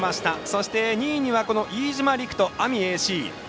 そして、２位には飯島陸斗阿見ＡＣ。